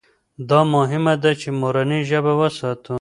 دا مهمه ده چې مورنۍ ژبه وساتو.